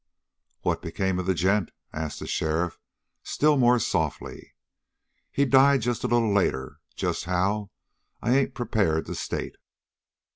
"What became of the gent?" asked the sheriff still more softly. "He died just a little later. Just how I ain't prepared to state."